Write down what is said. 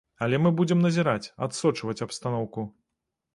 Але мы будзем назіраць, адсочваць абстаноўку.